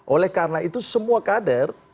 oleh karena itu semua kader